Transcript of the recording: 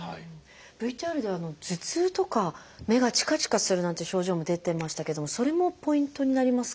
ＶＴＲでは頭痛とか目がチカチカするなんていう症状も出てましたけどもそれもポイントになりますか？